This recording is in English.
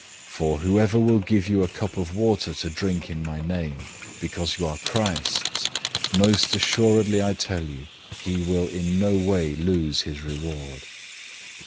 009:041 For whoever will give you a cup of water to drink in my name, because you are Christ's, most certainly I tell you, he will in no way lose his reward.